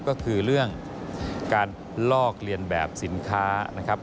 ก็คือเรื่องการลอกเรียนแบบสินค้านะครับ